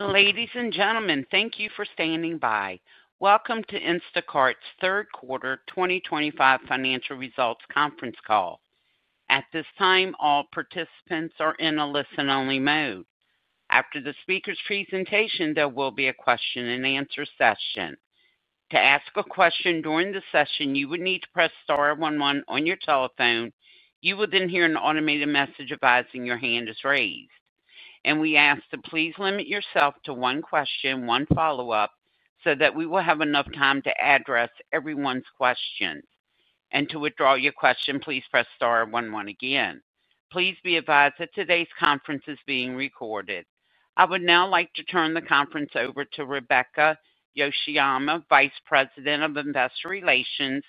Ladies and gentlemen, thank you for standing by. Welcome to Instacart's Third Quarter 2025 Financial Results Conference Call. At this time, all participants are in a listen-only mode. After the speaker's presentation, there will be a question-and-answer session. To ask a question during the session, you would need to press star one one on your telephone. You will then hear an automated message advising your hand is raised. We ask that you please limit yourself to one question, one follow-up, so that we will have enough time to address everyone's questions. To withdraw your question, please press star one one again. Please be advised that today's conference is being recorded. I would now like to turn the conference over to Rebecca Yoshiyama, Vice President of Investor Relations,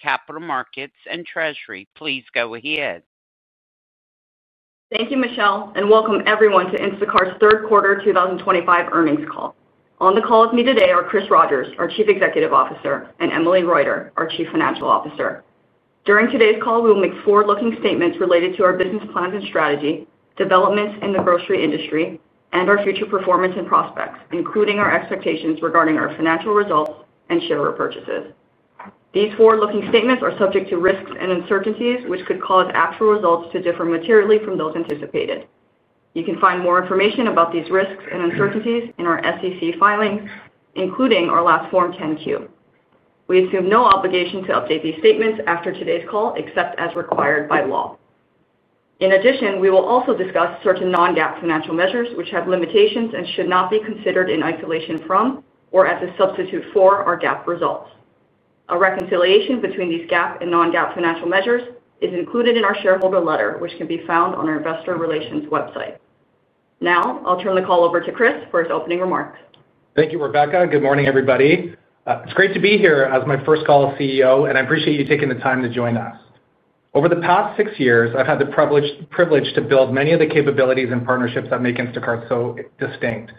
Capital Markets, and Treasury. Please go ahead. Thank you, Michelle, and welcome everyone to Instacart's third quarter 2025 earnings call. On the call with me today are Chris Rogers, our Chief Executive Officer, and Emily Reuter, our Chief Financial Officer. During today's call, we will make forward-looking statements related to our business plans and strategy, developments in the grocery industry, and our future performance and prospects, including our expectations regarding our financial results and share repurchases. These forward-looking statements are subject to risks and uncertainties, which could cause actual results to differ materially from those anticipated. You can find more information about these risks and uncertainties in our SEC filings, including our last Form 10-Q. We assume no obligation to update these statements after today's call, except as required by law. In addition, we will also discuss certain non-GAAP financial measures, which have limitations and should not be considered in isolation from or as a substitute for our GAAP results. A reconciliation between these GAAP and non-GAAP financial measures is included in our shareholder letter, which can be found on our investor relations website. Now, I'll turn the call over to Chris for his opening remarks. Thank you, Rebecca. Good morning, everybody. It's great to be here as my first call as CEO, and I appreciate you taking the time to join us. Over the past six years, I've had the privilege to build many of the capabilities and partnerships that make Instacart so distinct.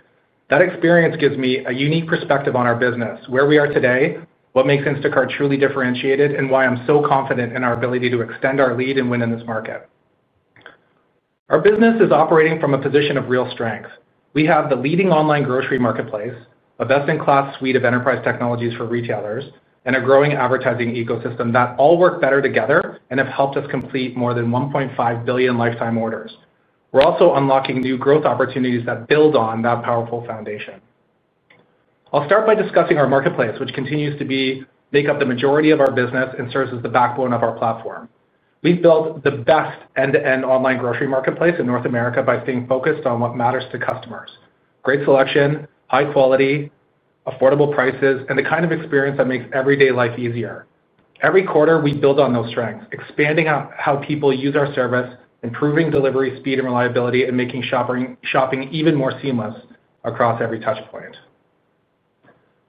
That experience gives me a unique perspective on our business, where we are today, what makes Instacart truly differentiated, and why I'm so confident in our ability to extend our lead and win in this market. Our business is operating from a position of real strength. We have the leading online grocery marketplace, a best-in-class suite of enterprise technologies for retailers, and a growing advertising ecosystem that all work better together and have helped us complete more than 1.5 billion lifetime orders. We're also unlocking new growth opportunities that build on that powerful foundation. I'll start by discussing our Marketplace, which continues to make up the majority of our business and serves as the backbone of our platform. We've built the best end-to-end online grocery marketplace in North America by staying focused on what matters to customers: great selection, high quality, affordable prices, and the kind of experience that makes everyday life easier. Every quarter, we build on those strengths, expanding how people use our service, improving delivery speed and reliability, and making shopping even more seamless across every touchpoint.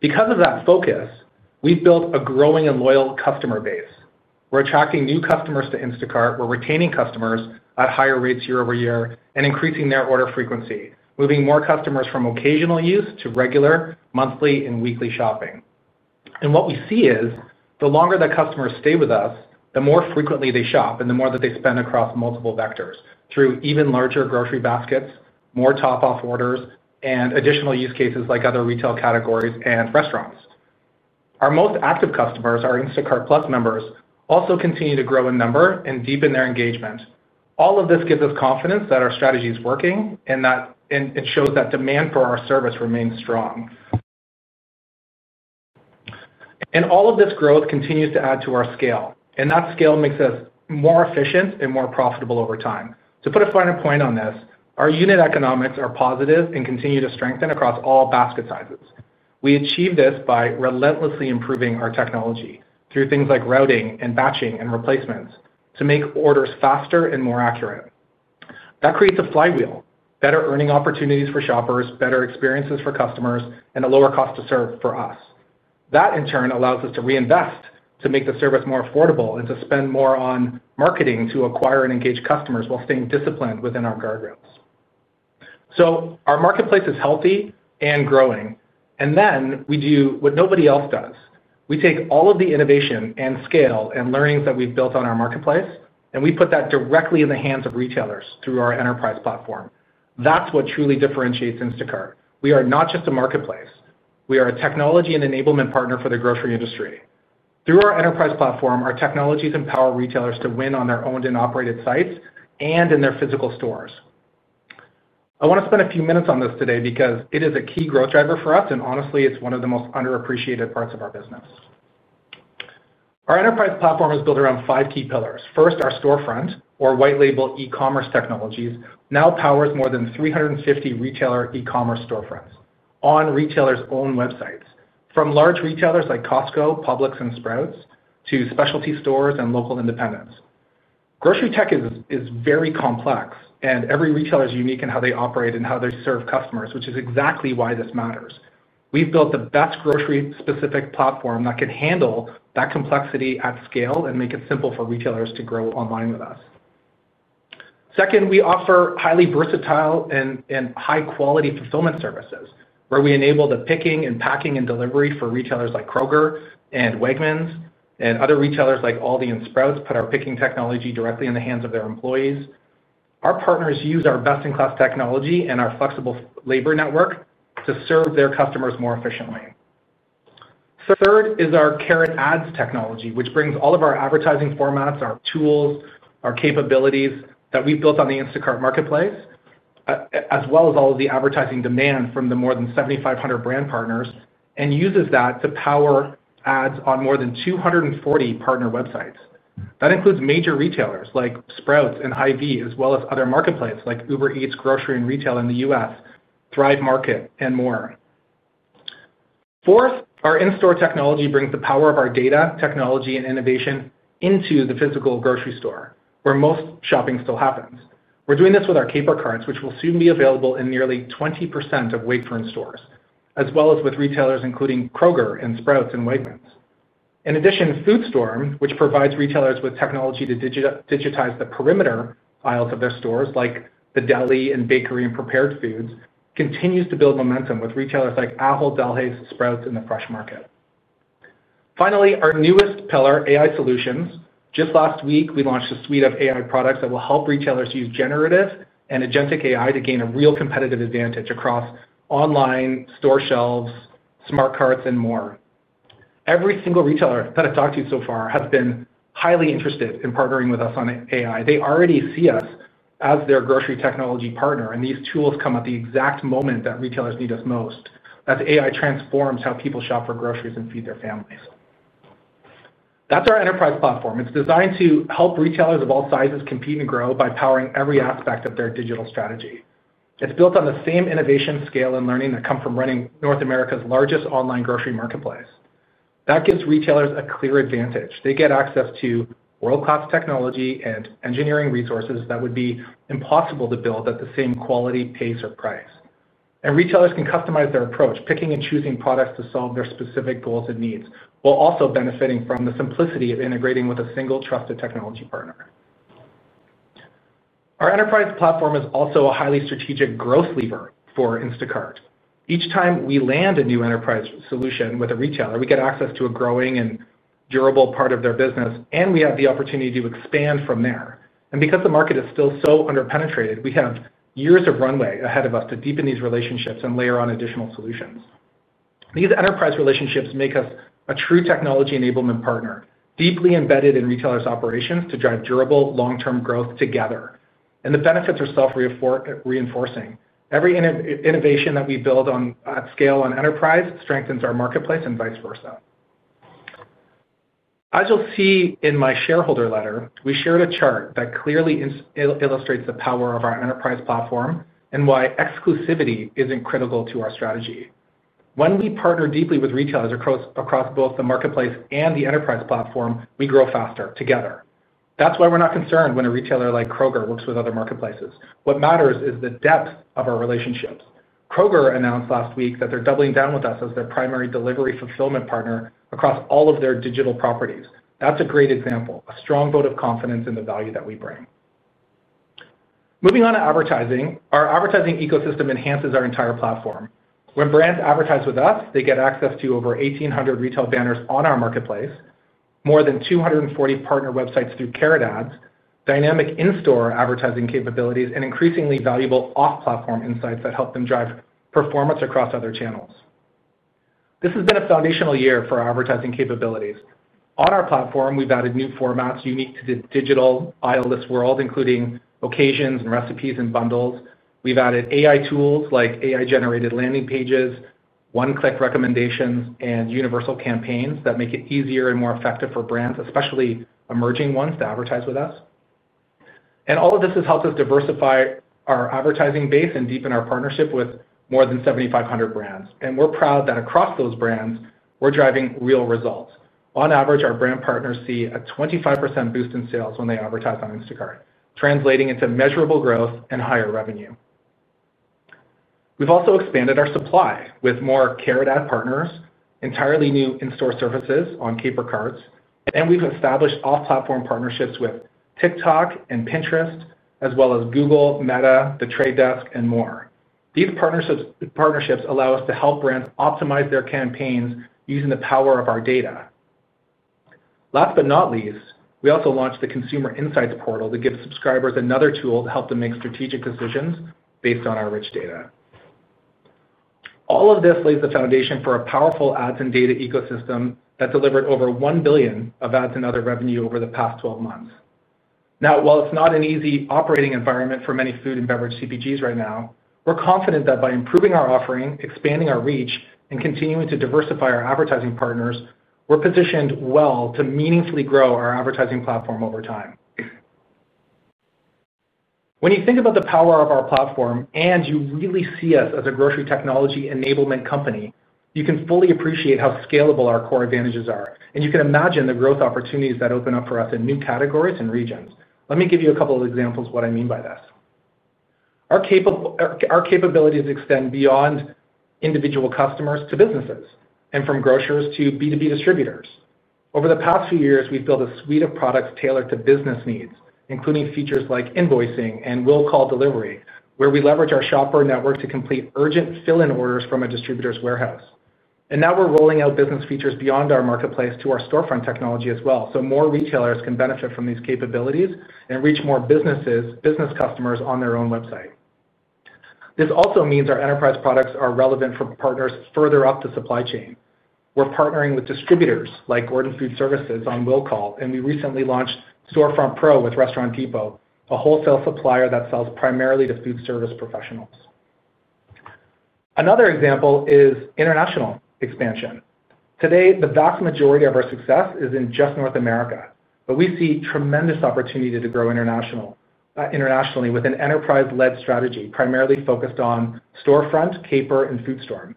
Because of that focus, we've built a growing and loyal customer base. We're attracting new customers to Instacart. We're retaining customers at higher rates year over year and increasing their order frequency, moving more customers from occasional use to regular monthly and weekly shopping. What we see is the longer that customers stay with us, the more frequently they shop and the more that they spend across multiple vectors through even larger grocery baskets, more top-off orders, and additional use cases like other retail categories and restaurants. Our most active customers, our Instacart+ members, also continue to grow in number and deepen their engagement. All of this gives us confidence that our strategy is working and that it shows that demand for our service remains strong. All of this growth continues to add to our scale, and that scale makes us more efficient and more profitable over time. To put a finer point on this, our unit economics are positive and continue to strengthen across all basket sizes. We achieve this by relentlessly improving our technology through things like routing and batching and replacements to make orders faster and more accurate. That creates a flywheel: better earning opportunities for shoppers, better experiences for customers, and a lower cost to serve for us. That, in turn, allows us to reinvest to make the service more affordable and to spend more on marketing to acquire and engage customers while staying disciplined within our guardrails. Our Marketplace is healthy and growing, and then we do what nobody else does. We take all of the innovation and scale and learnings that we've built on our Marketplace, and we put that directly in the hands of retailers through our Enterprise Platform. That's what truly differentiates Instacart. We are not just a marketplace. We are a technology and enablement partner for the grocery industry. Through our Enterprise Platform, our technologies empower retailers to win on their owned and operated sites and in their physical stores. I want to spend a few minutes on this today because it is a key growth driver for us, and honestly, it's one of the most underappreciated parts of our business. Our Enterprise Platform is built around five key pillars. First, our storefront, or white-label e-commerce technologies, now powers more than 350 retailer e-commerce storefronts on retailers' own websites, from large retailers like Costco, Publix, and Sprouts, to specialty stores and local independents. Grocery tech is very complex, and every retailer is unique in how they operate and how they serve customers, which is exactly why this matters. We've built the best grocery-specific platform that can handle that complexity at scale and make it simple for retailers to grow online with us. Second, we offer highly versatile and high-quality fulfillment services, where we enable the picking and packing and delivery for retailers like Kroger and Wegmans and other retailers like ALDI and Sprouts, putting our picking technology directly in the hands of their employees. Our partners use our best-in-class technology and our flexible labor network to serve their customers more efficiently. Third is our Carrot Ads technology, which brings all of our advertising formats, our tools, our capabilities that we have built on the Instacart Marketplace, as well as all of the advertising demand from the more than 7,500 brand partners, and uses that to power ads on more than 240 partner websites. That includes major retailers like Sprouts and Hy-Vee, as well as other marketplaces like Uber Eats, grocery and retail in the U.S., Thrive Market, and more. Fourth, our in-store technology brings the power of our data, technology, and innovation into the physical grocery store, where most shopping still happens. We're doing this with our Caper Carts, which will soon be available in nearly 20% of Wakefern stores, as well as with retailers including Kroger and Sprouts and Wegmans. In addition, FoodStorm, which provides retailers with technology to digitize the perimeter aisles of their stores, like the deli and bakery and prepared foods, continues to build momentum with retailers like Ahold Delhaize, Sprouts, and The Fresh Market. Finally, our newest pillar, AI Solutions. Just last week, we launched a suite of AI products that will help retailers use generative and agentic AI to gain a real competitive advantage across online store shelves, smart carts, and more. Every single retailer that I've talked to so far has been highly interested in partnering with us on AI. They already see us as their grocery technology partner, and these tools come at the exact moment that retailers need us most, as AI transforms how people shop for groceries and feed their families. That is our Enterprise Platform. It is designed to help retailers of all sizes compete and grow by powering every aspect of their digital strategy. It is built on the same innovation, scale, and learning that come from running North America's largest online grocery marketplace. That gives retailers a clear advantage. They get access to world-class technology and engineering resources that would be impossible to build at the same quality, pace, or price. Retailers can customize their approach, picking and choosing products to solve their specific goals and needs, while also benefiting from the simplicity of integrating with a single trusted technology partner. Our Enterprise Platform is also a highly strategic growth lever for Instacart. Each time we land a new enterprise solution with a retailer, we get access to a growing and durable part of their business, and we have the opportunity to expand from there. Because the market is still so underpenetrated, we have years of runway ahead of us to deepen these relationships and layer on additional solutions. These enterprise relationships make us a true technology enablement partner, deeply embedded in retailers' operations to drive durable long-term growth together. The benefits are self-reinforcing. Every innovation that we build at scale on Enterprise strengthens our Marketplace and vice versa. As you'll see in my shareholder letter, we shared a chart that clearly illustrates the power of our Enterprise Platform and why exclusivity isn't critical to our strategy. When we partner deeply with retailers across both the Marketplace and the Enterprise Platform, we grow faster together. That's why we're not concerned when a retailer like Kroger works with other marketplaces. What matters is the depth of our relationships. Kroger announced last week that they're doubling down with us as their primary delivery fulfillment partner across all of their digital properties. That's a great example, a strong vote of confidence in the value that we bring. Moving on to advertising, our advertising ecosystem enhances our entire platform. When brands advertise with us, they get access to over 1,800 retail banners on our Marketplace, more than 240 partner websites through Carrot Ads, dynamic in-store advertising capabilities, and increasingly valuable off-platform insights that help them drive performance across other channels. This has been a foundational year for our advertising capabilities. On our platform, we've added new formats unique to the digital aisle list world, including occasions and recipes and bundles. have added AI tools like AI-generated landing pages, one-click recommendations, and universal campaigns that make it easier and more effective for brands, especially emerging ones, to advertise with us. All of this has helped us diversify our advertising base and deepen our partnership with more than 7,500 brands. We are proud that across those brands, we are driving real results. On average, our brand partners see a 25% boost in sales when they advertise on Instacart, translating into measurable growth and higher revenue. We have also expanded our supply with more Carrot Ads partners, entirely new in-store services on Caper Carts, and we have established off-platform partnerships with TikTok and Pinterest, as well as Google, Meta, The Trade Desk, and more. These partnerships allow us to help brands optimize their campaigns using the power of our data. Last but not least, we also launched the Consumer Insights Portal to give subscribers another tool to help them make strategic decisions based on our rich data. All of this lays the foundation for a powerful ads and data ecosystem that has delivered over $1 billion of ads and other revenue over the past 12 months. Now, while it is not an easy operating environment for many food and beverage CPGs right now, we are confident that by improving our offering, expanding our reach, and continuing to diversify our advertising partners, we are positioned well to meaningfully grow our advertising platform over time. When you think about the power of our platform and you really see us as a grocery technology enablement company, you can fully appreciate how scalable our core advantages are, and you can imagine the growth opportunities that open up for us in new categories and regions. Let me give you a couple of examples of what I mean by this. Our capabilities extend beyond individual customers to businesses and from grocers to B2B distributors. Over the past few years, we've built a suite of products tailored to business needs, including features like invoicing and will-call delivery, where we leverage our shopper network to complete urgent fill-in orders from a distributor's warehouse. Now we're rolling out business features beyond our Marketplace to our storefront technology as well, so more retailers can benefit from these capabilities and reach more business customers on their own website. This also means our enterprise products are relevant for partners further up the supply chain. We're partnering with distributors like Gordon Food Service on will-call, and we recently launched Storefront Pro with Restaurant Depot, a wholesale supplier that sells primarily to food service professionals. Another example is international expansion. Today, the vast majority of our success is in just North America, but we see tremendous opportunity to grow internationally with an enterprise-led strategy primarily focused on Storefront, Caper, and FoodStorm.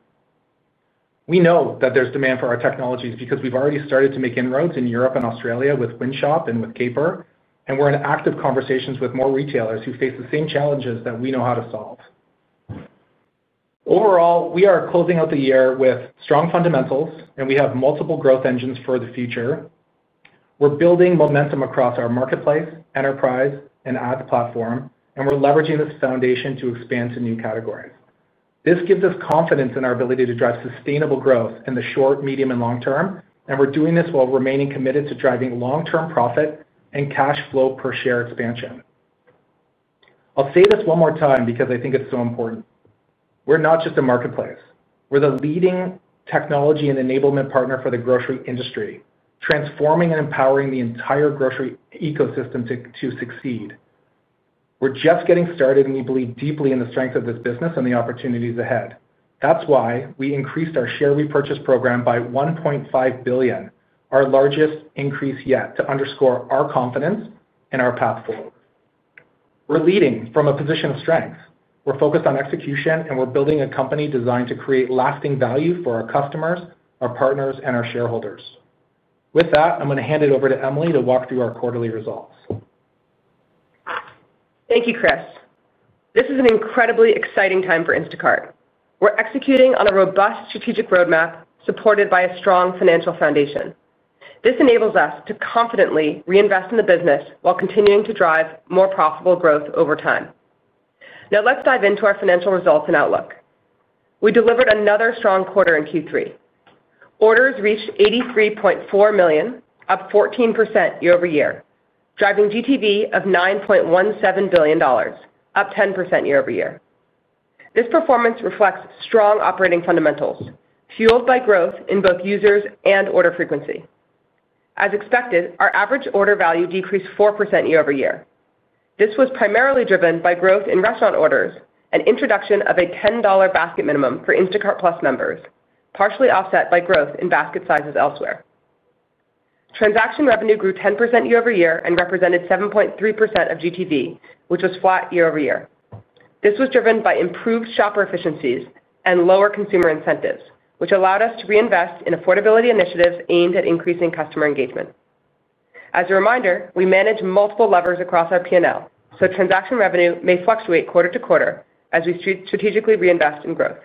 We know that there is demand for our technologies because we have already started to make inroads in Europe and Australia with Wynshop and with Caper, and we are in active conversations with more retailers who face the same challenges that we know how to solve. Overall, we are closing out the year with strong fundamentals, and we have multiple growth engines for the future. We are building momentum across our Marketplace, Enterprise, and Ads platform, and we are leveraging this foundation to expand to new categories. This gives us confidence in our ability to drive sustainable growth in the short, medium, and long term, and we are doing this while remaining committed to driving long-term profit and cash flow per share expansion. I'll say this one more time because I think it's so important. We're not just a marketplace. We're the leading technology and enablement partner for the grocery industry, transforming and empowering the entire grocery ecosystem to succeed. We're just getting started, and we believe deeply in the strength of this business and the opportunities ahead. That's why we increased our share repurchase program by $1.5 billion, our largest increase yet, to underscore our confidence and our path forward. We're leading from a position of strength. We're focused on execution, and we're building a company designed to create lasting value for our customers, our partners, and our shareholders. With that, I'm going to hand it over to Emily to walk through our quarterly results. Thank you, Chris. This is an incredibly exciting time for Instacart. We're executing on a robust strategic roadmap supported by a strong financial foundation. This enables us to confidently reinvest in the business while continuing to drive more profitable growth over time. Now, let's dive into our financial results and outlook. We delivered another strong quarter in Q3. Orders reached 83.4 million, up 14% year-over-year, driving GTV of $9.17 billion, up 10% year-over-year. This performance reflects strong operating fundamentals, fueled by growth in both users and order frequency. As expected, our average order value decreased 4% year-over-year. This was primarily driven by growth in restaurant orders and introduction of a $10 basket minimum for Instacart+ members, partially offset by growth in basket sizes elsewhere. Transaction revenue grew 10% year-over-year and represented 7.3% of GTV, which was flat year-over-year. This was driven by improved shopper efficiencies and lower consumer incentives, which allowed us to reinvest in affordability initiatives aimed at increasing customer engagement. As a reminder, we manage multiple levers across our P&L, so transaction revenue may fluctuate quarter to quarter as we strategically reinvest in growth.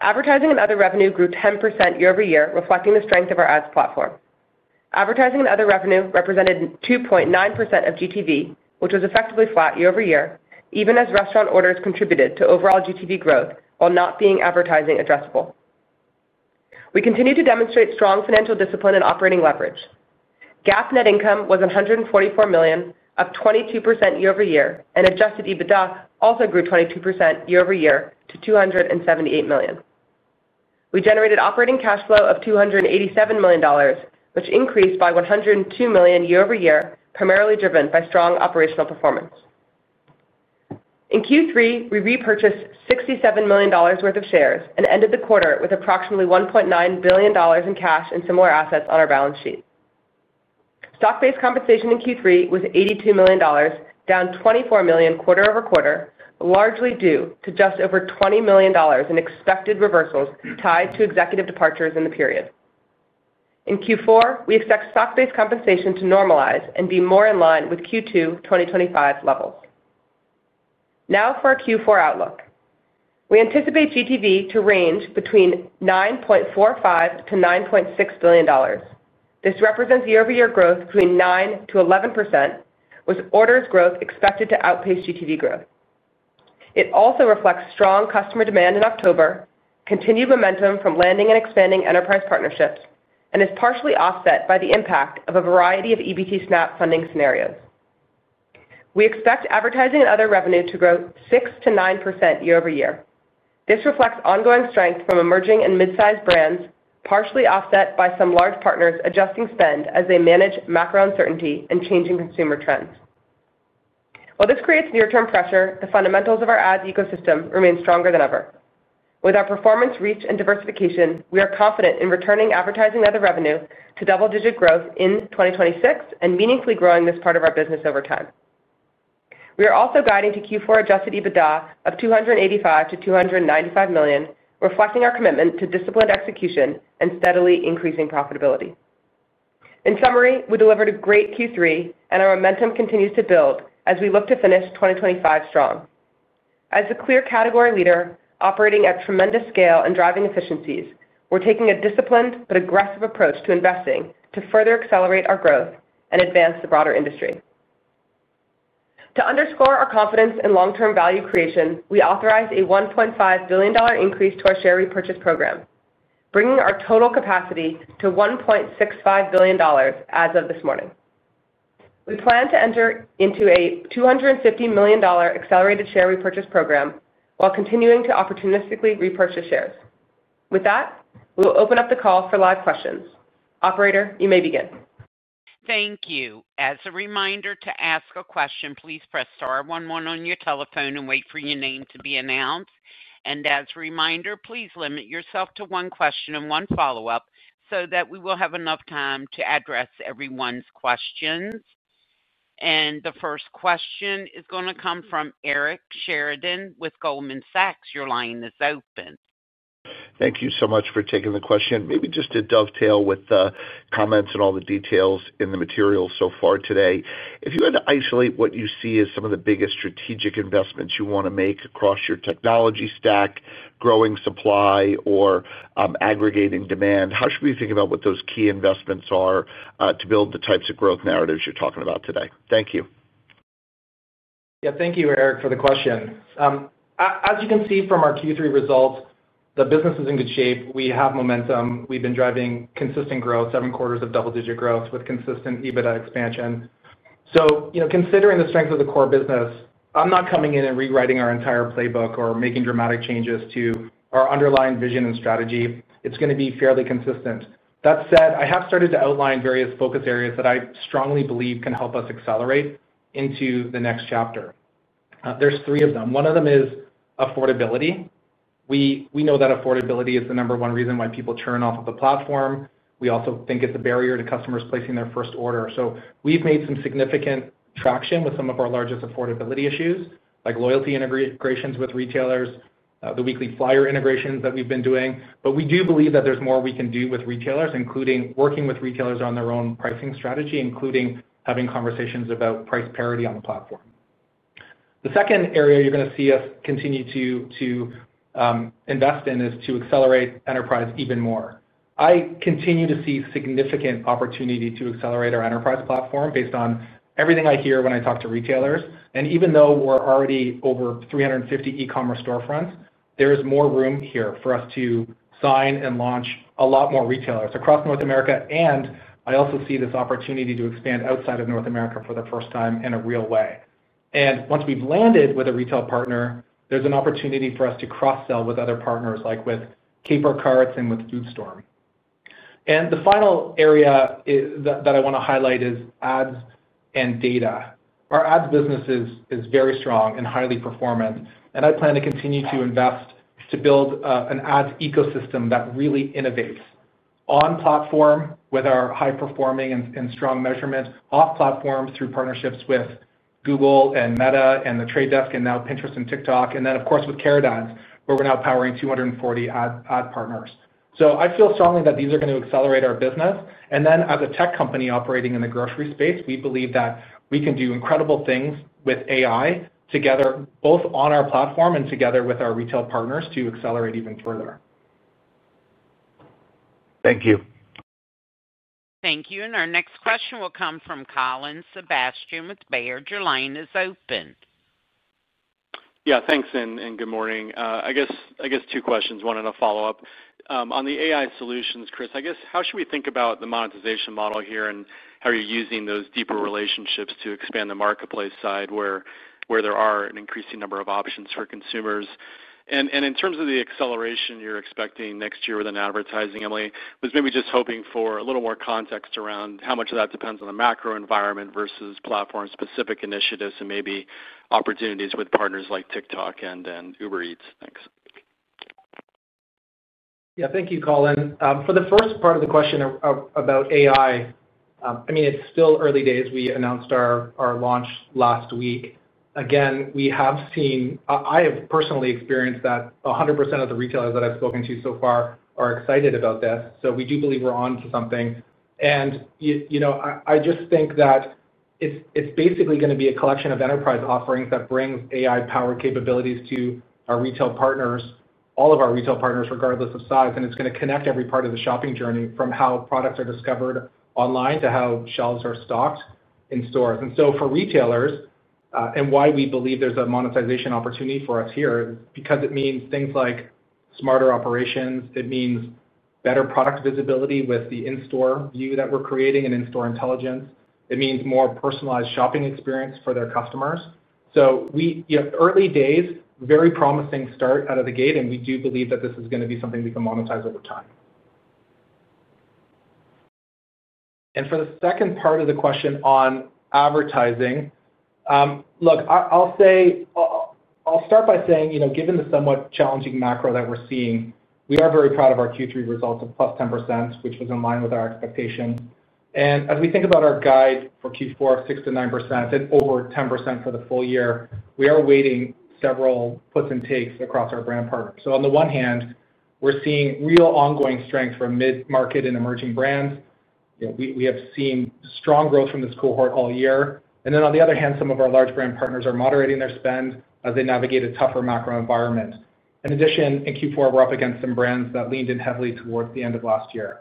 Advertising and other revenue grew 10% year-over-year, reflecting the strength of our ads platform. Advertising and other revenue represented 2.9% of GTV, which was effectively flat year-over-year, even as restaurant orders contributed to overall GTV growth while not being advertising addressable. We continue to demonstrate strong financial discipline and operating leverage. GAAP net income was $144 million, up 22% year-over-year, and adjusted EBITDA also grew 22% year-over-year to $278 million. We generated operating cash flow of $287 million, which increased by $102 million year-over-year, primarily driven by strong operational performance. In Q3, we repurchased $67 million worth of shares and ended the quarter with approximately $1.9 billion in cash and similar assets on our balance sheet. Stock-based compensation in Q3 was $82 million, down $24 million quarter over quarter, largely due to just over $20 million in expected reversals tied to executive departures in the period. In Q4, we expect stock-based compensation to normalize and be more in line with Q2 2025 levels. Now for our Q4 outlook. We anticipate GTV to range between $9.45 billion-$9.6 billion. This represents year-over-year growth between 9%-11%, with orders growth expected to outpace GTV growth. It also reflects strong customer demand in October, continued momentum from landing and expanding enterprise partnerships, and is partially offset by the impact of a variety of EBT SNAP funding scenarios. We expect advertising and other revenue to grow 6%-9% year-over-year. This reflects ongoing strength from emerging and mid-sized brands, partially offset by some large partners adjusting spend as they manage macro uncertainty and changing consumer trends. While this creates near-term pressure, the fundamentals of our ads ecosystem remain stronger than ever. With our performance, reach, and diversification, we are confident in returning advertising and other revenue to double-digit growth in 2026 and meaningfully growing this part of our business over time. We are also guiding to Q4 adjusted EBITDA of $285 million-$295 million, reflecting our commitment to disciplined execution and steadily increasing profitability. In summary, we delivered a great Q3, and our momentum continues to build as we look to finish 2025 strong. As a clear category leader, operating at tremendous scale and driving efficiencies, we're taking a disciplined but aggressive approach to investing to further accelerate our growth and advance the broader industry. To underscore our confidence in long-term value creation, we authorize a $1.5 billion increase to our share repurchase program, bringing our total capacity to $1.65 billion as of this morning. We plan to enter into a $250 million accelerated share repurchase program while continuing to opportunistically repurchase shares. With that, we will open up the call for live questions. Operator, you may begin. Thank you. As a reminder to ask a question, please press star one one on your telephone and wait for your name to be announced. As a reminder, please limit yourself to one question and one follow-up so that we will have enough time to address everyone's questions. The first question is going to come from Eric Sheridan with Goldman Sachs. Your line is open. Thank you so much for taking the question. Maybe just to dovetail with the comments and all the details in the material so far today, if you had to isolate what you see as some of the biggest strategic investments you want to make across your technology stack, growing supply, or aggregating demand, how should we think about what those key investments are to build the types of growth narratives you're talking about today? Thank you. Yeah, thank you, Eric, for the question. As you can see from our Q3 results, the business is in good shape. We have momentum. We've been driving consistent growth, seven quarters of double-digit growth with consistent EBITDA expansion. Considering the strength of the core business, I'm not coming in and rewriting our entire playbook or making dramatic changes to our underlying vision and strategy. It's going to be fairly consistent. That said, I have started to outline various focus areas that I strongly believe can help us accelerate into the next chapter. There are three of them. One of them is affordability. We know that affordability is the number one reason why people churn off of the platform. We also think it is a barrier to customers placing their first order. We have made some significant traction with some of our largest affordability issues, like loyalty integrations with retailers, the weekly flyer integrations that we have been doing. We do believe that there is more we can do with retailers, including working with retailers on their own pricing strategy, including having conversations about price parity on the platform. The second area you are going to see us continue to invest in is to accelerate enterprise even more. I continue to see significant opportunity to accelerate our Enterprise Platform based on everything I hear when I talk to retailers. Even though we're already over 350 e-commerce storefronts, there is more room here for us to sign and launch a lot more retailers across North America. I also see this opportunity to expand outside of North America for the first time in a real way. Once we've landed with a retail partner, there's an opportunity for us to cross-sell with other partners, like with Caper Carts and with FoodStorm. The final area that I want to highlight is ads and data. Our ads business is very strong and highly performant, and I plan to continue to invest to build an ads ecosystem that really innovates on platform with our high-performing and strong measurement off platform through partnerships with Google and Meta and The Trade Desk and now Pinterest and TikTok. Of course, with Carrot Ads, where we're now powering 240 ad partners. I feel strongly that these are going to accelerate our business. As a tech company operating in the grocery space, we believe that we can do incredible things with AI together, both on our platform and together with our retail partners to accelerate even further. Thank you. Thank you. Our next question will come from Colin Sebastian with Baird. Your line is open. Yeah, thanks. Good morning. I guess two questions, one and a follow-up. On the AI solutions, Chris, I guess how should we think about the monetization model here and how you're using those deeper relationships to expand the marketplace side where there are an increasing number of options for consumers? In terms of the acceleration you're expecting next year with advertising, Emily, I was maybe just hoping for a little more context around how much of that depends on the macro environment versus platform-specific initiatives and maybe opportunities with partners like TikTok and Uber Eats. Thanks. Yeah, thank you, Colin. For the first part of the question about AI, I mean, it's still early days. We announced our launch last week. Again, we have seen—I have personally experienced that 100% of the retailers that I've spoken to so far are excited about this. We do believe we're on to something. I just think that it's basically going to be a collection of enterprise offerings that brings AI-powered capabilities to our retail partners, all of our retail partners, regardless of size. It is going to connect every part of the shopping journey from how products are discovered online to how shelves are stocked in stores. For retailers, and why we believe there's a monetization opportunity for us here is because it means things like smarter operations. It means better product visibility with the in-store view that we're creating and in-store intelligence. It means more personalized shopping experience for their customers. Early days, very promising start out of the gate. We do believe that this is going to be something we can monetize over time. For the second part of the question on advertising, look, I'll start by saying, given the somewhat challenging macro that we're seeing, we are very proud of our Q3 results of +10%, which was in line with our expectations. As we think about our guide for Q4 of 6%-9% and over 10% for the full year, we are weighing several puts and takes across our brand partners. On the one hand, we're seeing real ongoing strength for mid-market and emerging brands. We have seen strong growth from this cohort all year. On the other hand, some of our large brand partners are moderating their spend as they navigate a tougher macro environment. In addition, in Q4, we're up against some brands that leaned in heavily towards the end of last year.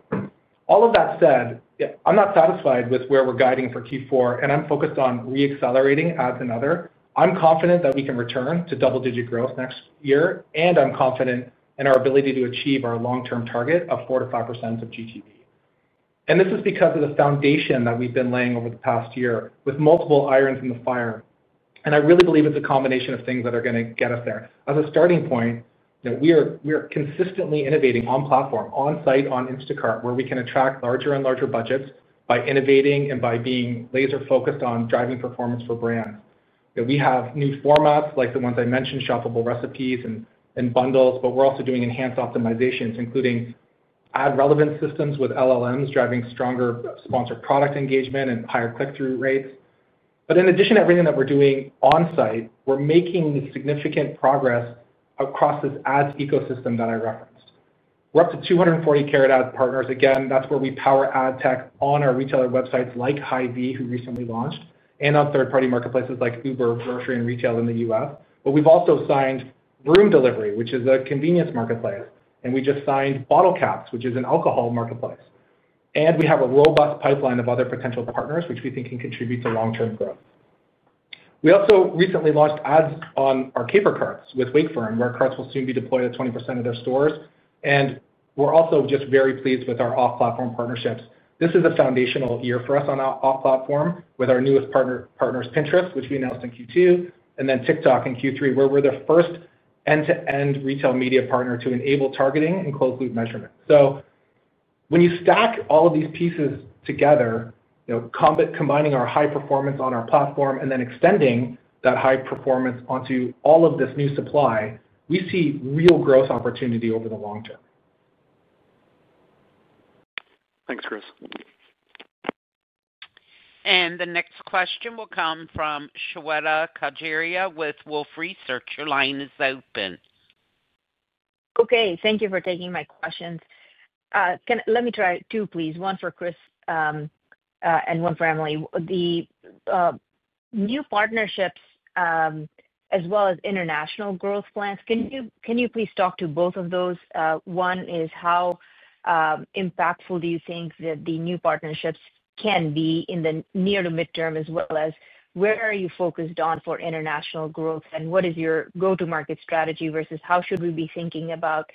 All of that said, I'm not satisfied with where we're guiding for Q4, and I'm focused on re-accelerating ads and other. I'm confident that we can return to double-digit growth next year, and I'm confident in our ability to achieve our long-term target of 4%-5% of GTV. This is because of the foundation that we've been laying over the past year with multiple irons in the fire. I really believe it's a combination of things that are going to get us there. As a starting point, we are consistently innovating on platform, on site, on Instacart, where we can attract larger and larger budgets by innovating and by being laser-focused on driving performance for brands. We have new formats like the ones I mentioned, Shoppable Recipes and Bundles, but we're also doing enhanced optimizations, including ad relevance systems with LLMs, driving stronger sponsored product engagement and higher click-through rates. In addition to everything that we're doing on site, we're making significant progress across this ads ecosystem that I referenced. We're up to 240 Carrot Ads partners. Again, that's where we power ad tech on our retailer websites like Hy-Vee, who recently launched, and on third-party marketplaces like Uber, grocery, and retail in the U.S. We've also signed Vroom Delivery, which is a convenience marketplace, and we just signed Bottlecaps, which is an alcohol marketplace. We have a robust pipeline of other potential partners, which we think can contribute to long-term growth. We also recently launched ads on our Caper Carts with Wakefern, where carts will soon be deployed at 20% of their stores. We are also just very pleased with our off-platform partnerships. This is a foundational year for us on our off-platform with our newest partners, Pinterest, which we announced in Q2, and then TikTok in Q3, where we are the first end-to-end retail media partner to enable targeting and closed-loop measurement. When you stack all of these pieces together, combining our high performance on our platform and then extending that high performance onto all of this new supply, we see real growth opportunity over the long term. Thanks, Chris. The next question will come from Shweta Khajuria with Wolfe Research. Your line is open. Okay. Thank you for taking my questions. Let me try two, please. One for Chris and one for Emily. The new partnerships, as well as international growth plans, can you please talk to both of those? One is how impactful do you think that the new partnerships can be in the near to midterm, as well as where are you focused on for international growth, and what is your go-to-market strategy versus how should we be thinking about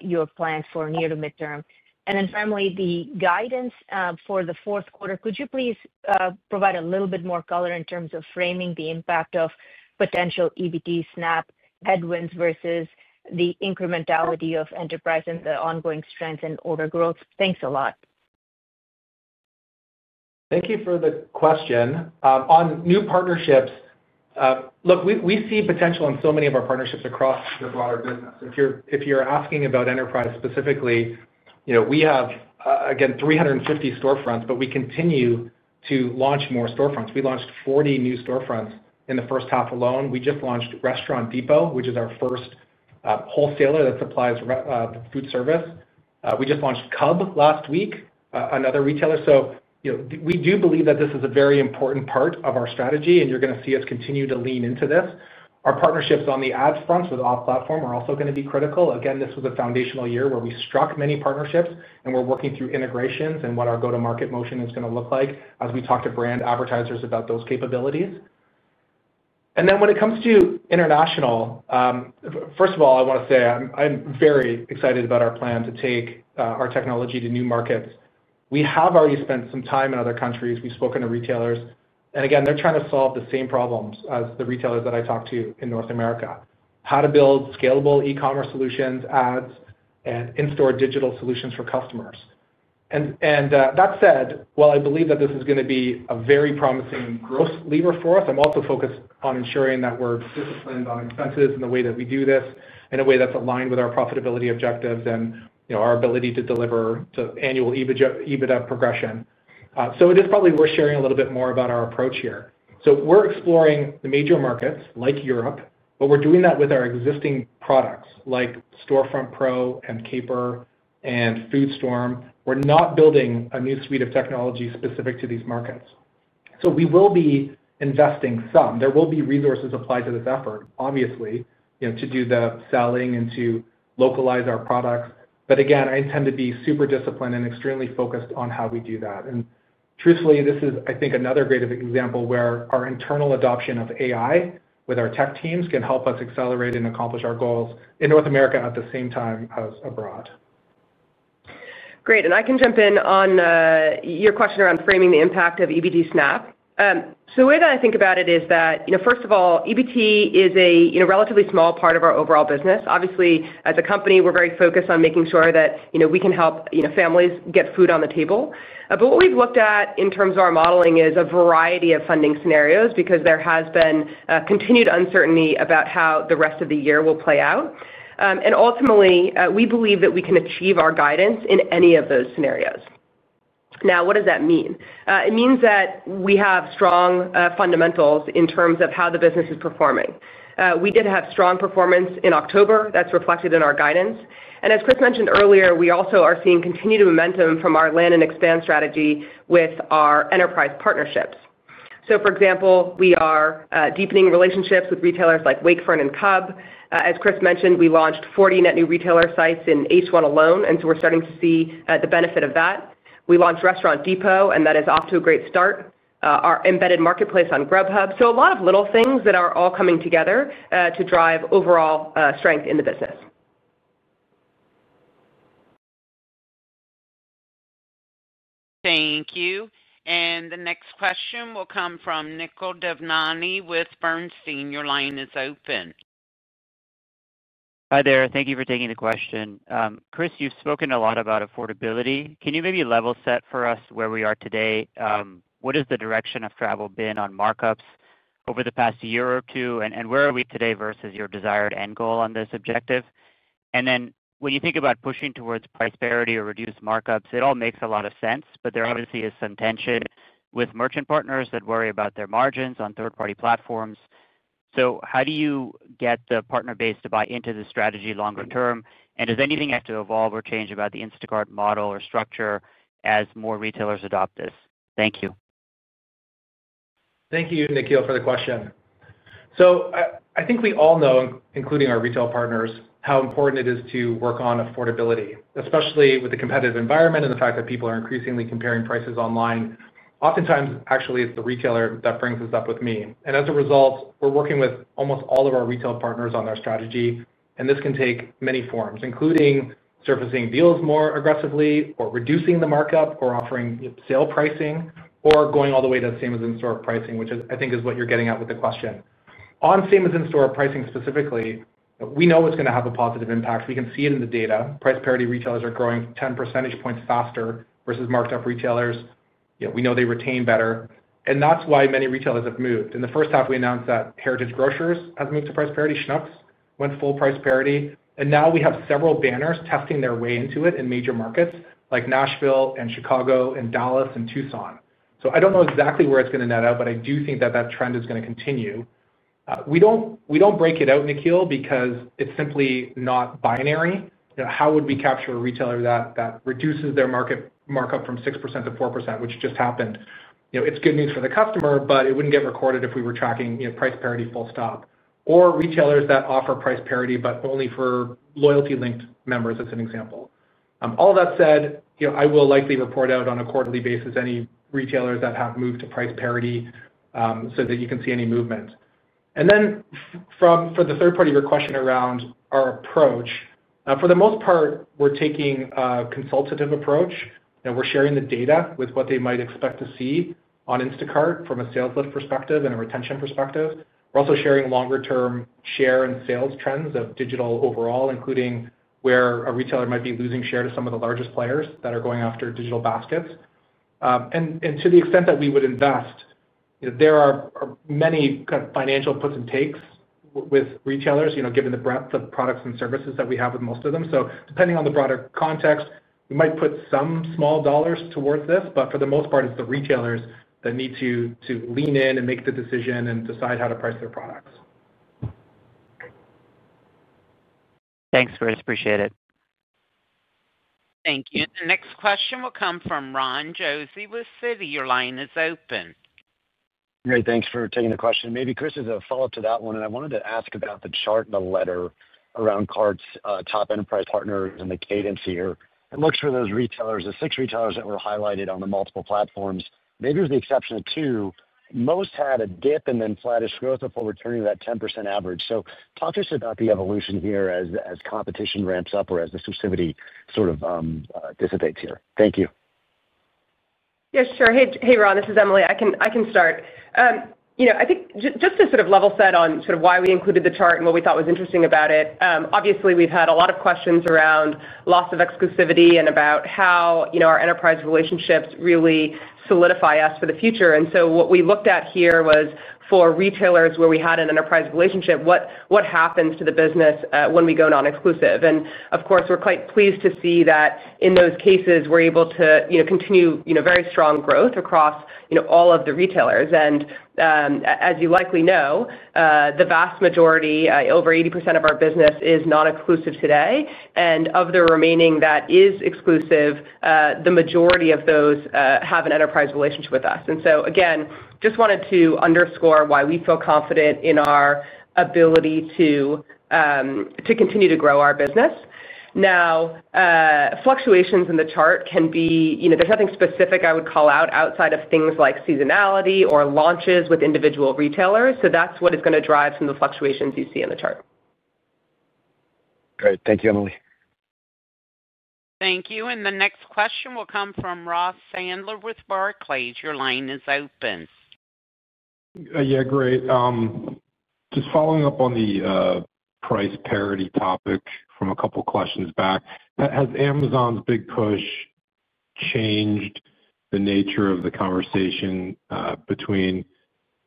your plans for near to midterm? And then finally, the guidance for the fourth quarter, could you please provide a little bit more color in terms of framing the impact of potential EBT SNAP headwinds versus the incrementality of enterprise and the ongoing strength and order growth? Thanks a lot. Thank you for the question. On new partnerships, look, we see potential in so many of our partnerships across the broader business. If you're asking about enterprise specifically, we have, again, 350 storefronts, but we continue to launch more storefronts. We launched 40 new storefronts in the first half alone. We just launched Restaurant Depot, which is our first wholesaler that supplies food service. We just launched Cub last week, another retailer. We do believe that this is a very important part of our strategy, and you're going to see us continue to lean into this. Our partnerships on the ads fronts with off-platform are also going to be critical. This was a foundational year where we struck many partnerships, and we're working through integrations and what our go-to-market motion is going to look like as we talk to brand advertisers about those capabilities. When it comes to international, first of all, I want to say I'm very excited about our plan to take our technology to new markets. We have already spent some time in other countries. We've spoken to retailers. Again, they're trying to solve the same problems as the retailers that I talked to in North America: how to build scalable e-commerce solutions, ads, and in-store digital solutions for customers. That said, while I believe that this is going to be a very promising growth lever for us, I'm also focused on ensuring that we're disciplined on expenses and the way that we do this in a way that's aligned with our profitability objectives and our ability to deliver to annual EBITDA progression. It is probably worth sharing a little bit more about our approach here. We're exploring the major markets like Europe, but we're doing that with our existing products like Storefront Pro and Caper and FoodStorm. We're not building a new suite of technology specific to these markets. We will be investing some. There will be resources applied to this effort, obviously, to do the selling and to localize our products. I intend to be super disciplined and extremely focused on how we do that. Truthfully, this is, I think, another great example where our internal adoption of AI with our tech teams can help us accelerate and accomplish our goals in North America at the same time as abroad. Great. I can jump in on your question around framing the impact of EBT SNAP. The way that I think about it is that, first of all, EBT is a relatively small part of our overall business. Obviously, as a company, we're very focused on making sure that we can help families get food on the table. What we have looked at in terms of our modeling is a variety of funding scenarios because there has been continued uncertainty about how the rest of the year will play out. Ultimately, we believe that we can achieve our guidance in any of those scenarios. Now, what does that mean? It means that we have strong fundamentals in terms of how the business is performing. We did have strong performance in October. That is reflected in our guidance. As Chris mentioned earlier, we also are seeing continued momentum from our land and expand strategy with our enterprise partnerships. For example, we are deepening relationships with retailers like Wakefern and Cub. As Chris mentioned, we launched 40 net new retailer sites in H1 alone, and we are starting to see the benefit of that. We launched Restaurant Depot, and that is off to a great start. Our embedded marketplace on Grubhub. A lot of little things that are all coming together to drive overall strength in the business. Thank you. The next question will come from Nikhil Devnani with Bernstein. Your line is open. Hi there. Thank you for taking the question. Chris, you've spoken a lot about affordability. Can you maybe level set for us where we are today? What has the direction of travel been on markups over the past year or two, and where are we today versus your desired end goal on this objective? When you think about pushing towards price parity or reduced markups, it all makes a lot of sense, but there obviously is some tension with merchant partners that worry about their margins on third-party platforms. How do you get the partner base to buy into the strategy longer term? Does anything have to evolve or change about the Instacart model or structure as more retailers adopt this? Thank you. Thank you, Nikhil, for the question. I think we all know, including our retail partners, how important it is to work on affordability, especially with the competitive environment and the fact that people are increasingly comparing prices online. Oftentimes, actually, it is the retailer that brings this up with me. As a result, we are working with almost all of our retail partners on our strategy, and this can take many forms, including surfacing deals more aggressively or reducing the markup or offering sale pricing or going all the way to same as in-store pricing, which I think is what you are getting at with the question. On same as in-store pricing specifically, we know it is going to have a positive impact. We can see it in the data. Price parity retailers are growing 10 percentage points faster versus marked-up retailers. We know they retain better. That is why many retailers have moved. In the first half, we announced that Heritage Grocers has moved to price parity. Schnucks went full price parity. Now we have several banners testing their way into it in major markets like Nashville and Chicago and Dallas and Tucson. I do not know exactly where it is going to net out, but I do think that trend is going to continue. We do not break it out, Nikhil, because it is simply not binary. How would we capture a retailer that reduces their market markup from 6% to 4%, which just happened? It is good news for the customer, but it would not get recorded if we were tracking price parity full stop. For retailers that offer price parity, but only for loyalty-linked members, as an example. All of that said, I will likely report out on a quarterly basis any retailers that have moved to price parity so that you can see any movement. For the third part of your question around our approach, for the most part, we're taking a consultative approach. We're sharing the data with what they might expect to see on Instacart from a sales lift perspective and a retention perspective. We're also sharing longer-term share and sales trends of digital overall, including where a retailer might be losing share to some of the largest players that are going after digital baskets. To the extent that we would invest, there are many kind of financial puts and takes with retailers, given the breadth of products and services that we have with most of them. Depending on the broader context, we might put some small dollars towards this, but for the most part, it's the retailers that need to lean in and make the decision and decide how to price their products. Thanks, Chris. Appreciate it. Thank you. The next question will come from Ron Josey with Citi. Your line is open. Great. Thanks for taking the question. Maybe, Chris, as a follow-up to that one, I wanted to ask about the chart and the letter around Cart's top enterprise partners and the cadence here. It looks for those retailers, the six retailers that were highlighted on the multiple platforms, maybe with the exception of two, most had a dip and then flattish growth before returning to that 10% average. Talk to us about the evolution here as competition ramps up or as the sensitivity sort of dissipates here. Thank you. Yes, sure. Hey, Ron. This is Emily. I can start. I think just to sort of level set on sort of why we included the chart and what we thought was interesting about it, obviously, we've had a lot of questions around loss of exclusivity and about how our enterprise relationships really solidify us for the future. What we looked at here was for retailers where we had an enterprise relationship, what happens to the business when we go non-exclusive. Of course, we're quite pleased to see that in those cases, we're able to continue very strong growth across all of the retailers. As you likely know, the vast majority, over 80% of our business, is non-exclusive today. Of the remaining that is exclusive, the majority of those have an enterprise relationship with us. And so again, just wanted to underscore why we feel confident in our ability to continue to grow our business. Now, fluctuations in the chart can be, there's nothing specific I would call out outside of things like seasonality or launches with individual retailers. That is what is going to drive some of the fluctuations you see in the chart. Great. Thank you, Emily. Thank you. The next question will come from Ross Sandler with Barclays. Your line is open. Yeah, great. Just following up on the price parity topic from a couple of questions back, has Amazon's big push changed the nature of the conversation between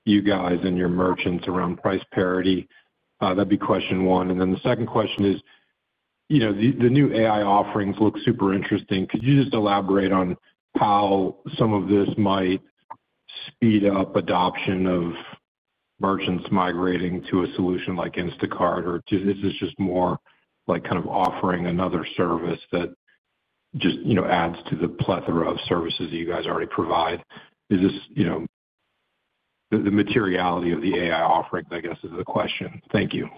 you guys and your merchants around price parity? That'd be question one. And then the second question is the new AI offerings look super interesting. Could you just elaborate on how some of this might speed up adoption of merchants migrating to a solution like Instacart? Or is this just more kind of offering another service that just adds to the plethora of services that you guys already provide? Is this the materiality of the AI offering, I guess, is the question. Thank you.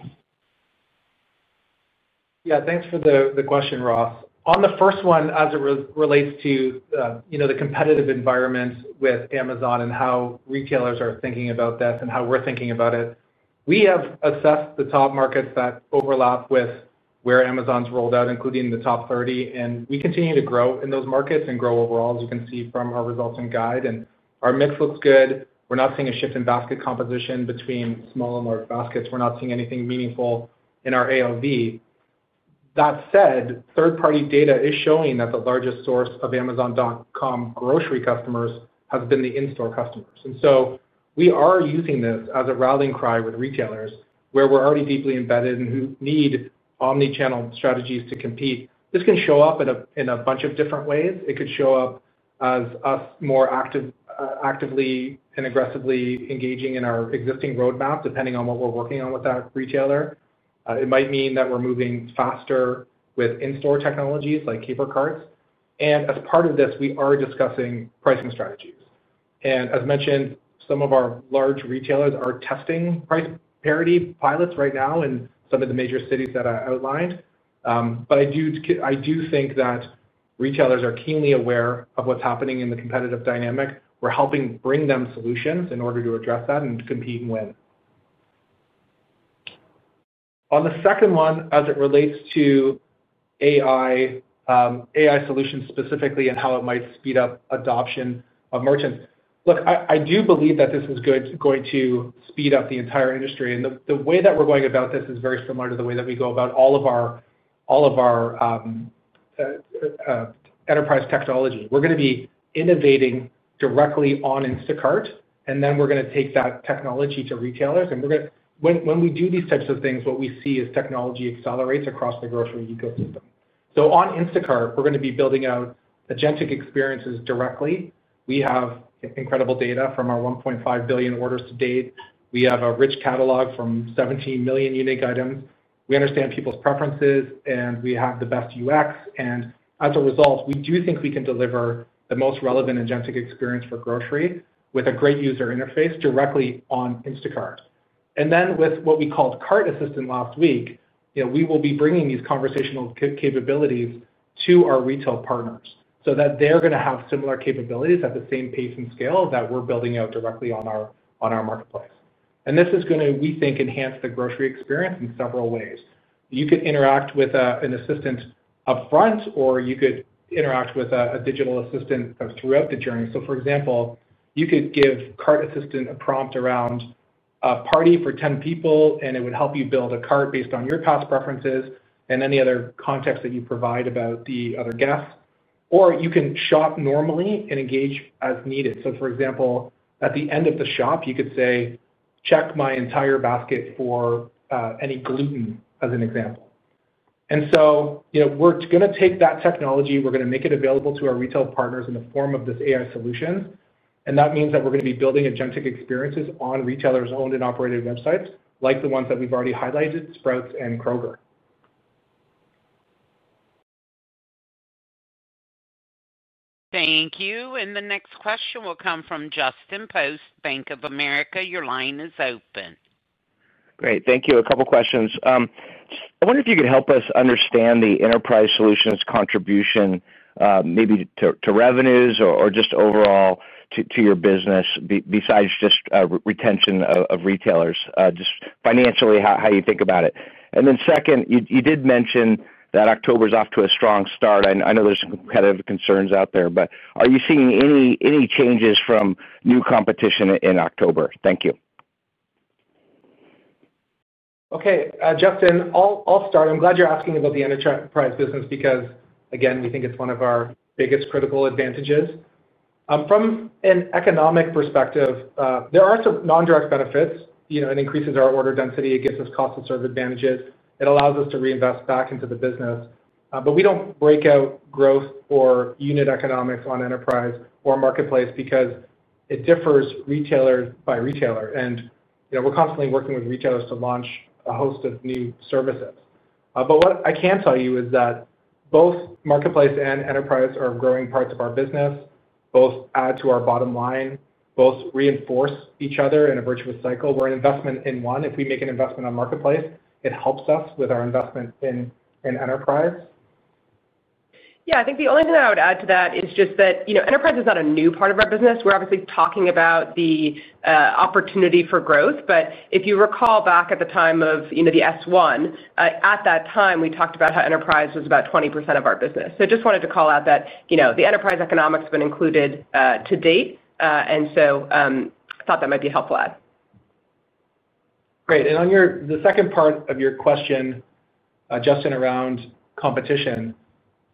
Yeah, thanks for the question, Ross. On the first one, as it relates to the competitive environment with Amazon and how retailers are thinking about this and how we're thinking about it, we have assessed the top markets that overlap with where Amazon's rolled out, including the top 30. We continue to grow in those markets and grow overall, as you can see from our results and guide. Our mix looks good. We're not seeing a shift in basket composition between small and large baskets. We're not seeing anything meaningful in our AOV. That said, third-party data is showing that the largest source of Amazon.com grocery customers has been the in-store customers. We are using this as a rallying cry with retailers where we're already deeply embedded and who need omnichannel strategies to compete. This can show up in a bunch of different ways. It could show up as us more actively and aggressively engaging in our existing roadmap, depending on what we're working on with that retailer. It might mean that we're moving faster with in-store technologies like Caper Carts. As part of this, we are discussing pricing strategies. As mentioned, some of our large retailers are testing price parity pilots right now in some of the major cities that I outlined. I do think that retailers are keenly aware of what's happening in the competitive dynamic. We're helping bring them solutions in order to address that and compete and win. On the second one, as it relates to AI Solutions specifically and how it might speed up adoption of merchants, look, I do believe that this is going to speed up the entire industry. The way that we're going about this is very similar to the way that we go about all of our enterprise technology. We're going to be innovating directly on Instacart, and then we're going to take that technology to retailers. When we do these types of things, what we see is technology accelerates across the grocery ecosystem. On Instacart, we're going to be building out agentic experiences directly. We have incredible data from our 1.5 billion orders to date. We have a rich catalog from 17 million unique items. We understand people's preferences, and we have the best UX. As a result, we do think we can deliver the most relevant agentic experience for grocery with a great user interface directly on Instacart. With what we called Cart Assistant last week, we will be bringing these conversational capabilities to our retail partners so that they're going to have similar capabilities at the same pace and scale that we're building out directly on our Marketplace. This is going to, we think, enhance the grocery experience in several ways. You could interact with an assistant upfront, or you could interact with a digital assistant throughout the journey. For example, you could give Cart Assistant a prompt around a party for 10 people, and it would help you build a cart based on your past preferences and any other context that you provide about the other guests. Or you can shop normally and engage as needed. For example, at the end of the shop, you could say, "Check my entire basket for any gluten," as an example. We are going to take that technology and make it available to our retail partners in the form of this AI solution. That means we are going to be building agentic experiences on retailers' owned and operated websites, like the ones that we have already highlighted, Sprouts and Kroger. Thank you. The next question will come from Justin Post, Bank of America. Your line is open. Great. Thank you. A couple of questions. I wonder if you could help us understand the enterprise solution's contribution maybe to revenues or just overall to your business besides just retention of retailers, just financially, how you think about it. Second, you did mention that October is off to a strong start. I know there's some competitive concerns out there, but are you seeing any changes from new competition in October? Thank you. Okay, Justin, I'll start. I'm glad you're asking about the enterprise business because, again, we think it's one of our biggest critical advantages. From an economic perspective, there are some non-direct benefits. It increases our order density. It gives us cost-to-serve advantages. It allows us to reinvest back into the business. We don't break out growth or unit economics on Enterprise or Marketplace because it differs retailer by retailer. We're constantly working with retailers to launch a host of new services. What I can tell you is that both Marketplace and Enterprise are growing parts of our business. Both add to our bottom line. Both reinforce each other in a virtuous cycle. We're an investment in one. If we make an investment on Marketplace, it helps us with our investment in Enterprise. Yeah, I think the only thing I would add to that is just that Enterprise is not a new part of our business. We're obviously talking about the opportunity for growth. If you recall back at the time of the S1, at that time, we talked about how enterprise was about 20% of our business. I just wanted to call out that the Enterprise economics have been included to date. I thought that might be a helpful add. Great. On the second part of your question, Justin, around competition,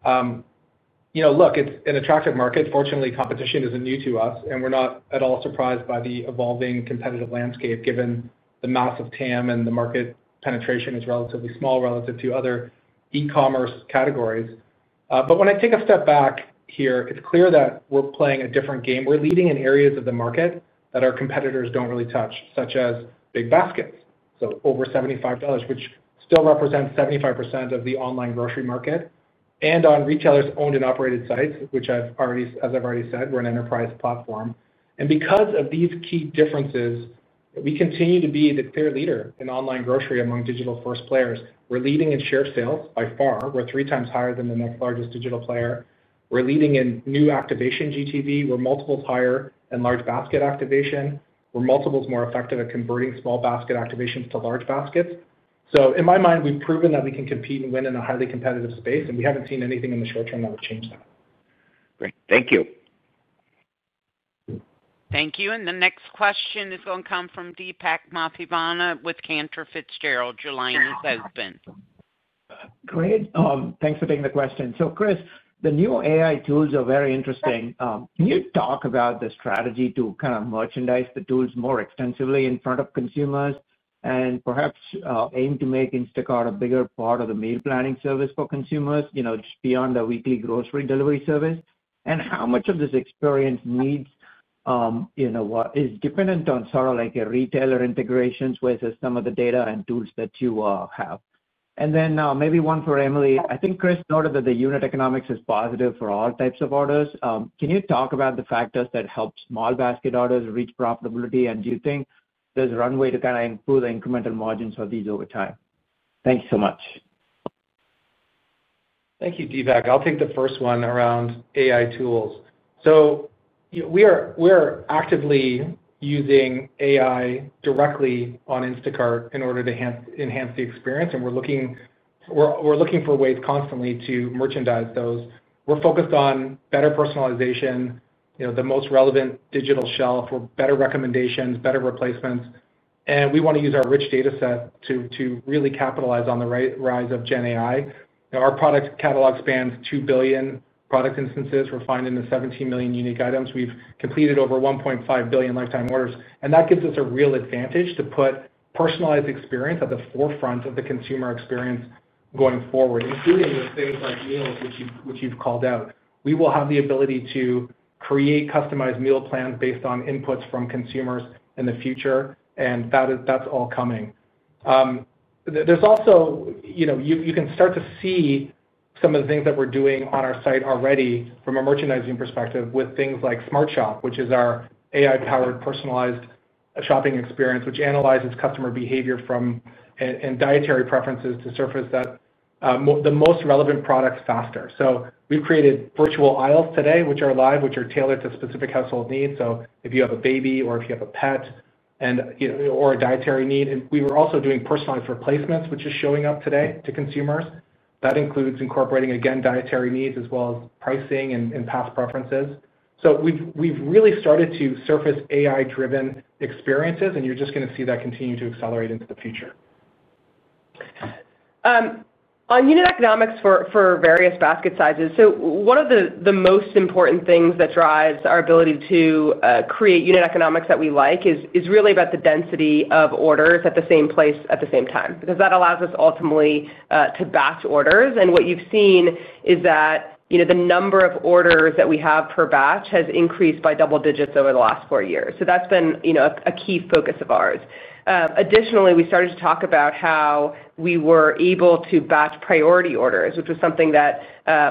look, it's an attractive market. Fortunately, competition isn't new to us. We're not at all surprised by the evolving competitive landscape, given the mass of TAM and the market penetration is relatively small relative to other e-commerce categories. When I take a step back here, it's clear that we're playing a different game. We're leading in areas of the market that our competitors don't really touch, such as big baskets, so over $75, which still represents 75% of the online grocery market, and on retailers' owned and operated sites, which, as I've already said, we're an enterprise platform. Because of these key differences, we continue to be the clear leader in online grocery among digital first players. We're leading in shared sales by far. We're three times higher than the next largest digital player. We're leading in new activation GTV. We're multiples higher in large basket activation. We're multiples more effective at converting small basket activations to large baskets. In my mind, we've proven that we can compete and win in a highly competitive space. We have not seen anything in the short term that would change that. Great. Thank you. Thank you. The next question is going to come from Deepak Mathivanan with Cantor Fitzgerald. Your line is open. Great. Thanks for taking the question. Chris, the new AI tools are very interesting. Can you talk about the strategy to kind of merchandise the tools more extensively in front of consumers and perhaps aim to make Instacart a bigger part of the meal planning service for consumers beyond the weekly grocery delivery service? How much of this experience is dependent on sort of like a retailer integration with some of the data and tools that you have? Maybe one for Emily. I think Chris noted that the unit economics is positive for all types of orders. Can you talk about the factors that help small basket orders reach profitability? Do you think there is a runway to kind of improve the incremental margins for these over time? Thanks so much. Thank you, Deepak. I'll take the first one around AI tools. We're actively using AI directly on Instacart in order to enhance the experience. We're looking for ways constantly to merchandise those. We're focused on better personalization, the most relevant digital shelf for better recommendations, better replacements. We want to use our rich dataset to really capitalize on the rise of GenAI. Our product catalog spans 2 billion product instances. We're finding the 17 million unique items. We've completed over 1.5 billion lifetime orders. That gives us a real advantage to put personalized experience at the forefront of the consumer experience going forward, including with things like meals, which you have called out. We will have the ability to create customized meal plans based on inputs from consumers in the future. That is all coming. You can start to see some of the things that we are doing on our site already from a merchandising perspective with things like Smart Shop, which is our AI-powered personalized shopping experience, which analyzes customer behavior from dietary preferences to surface the most relevant products faster. We have created virtual aisles today, which are live, which are tailored to specific household needs. If you have a baby or if you have a pet or a dietary need. We are also doing personalized replacements, which is showing up today to consumers. That includes incorporating, again, dietary needs as well as pricing and past preferences. We have really started to surface AI-driven experiences. You are just going to see that continue to accelerate into the future. On unit economics for various basket sizes, one of the most important things that drives our ability to create unit economics that we like is really about the density of orders at the same place at the same time because that allows us ultimately to batch orders. What you've seen is that the number of orders that we have per batch has increased by double digits over the last four years. That has been a key focus of ours. Additionally, we started to talk about how we were able to batch priority orders, which was something that